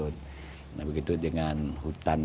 nah begitu dengan hutan